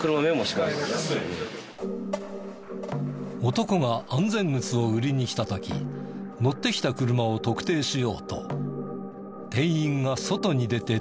男が安全靴を売りに来た時乗ってきた車を特定しようと店員が外に出て待機。